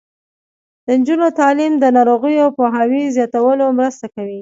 د نجونو تعلیم د ناروغیو پوهاوي زیاتولو مرسته کوي.